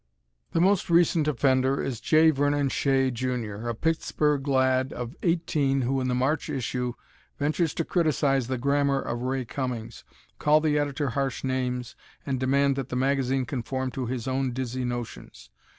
The most recent offender is J. Vernon Shea, Jr., a Pittsburgh lad of eighteen who, in the March issue, ventures to criticize the grammar of Ray Cummings, call the Editor harsh names, and demand that the magazine conform to his own dizzy notions.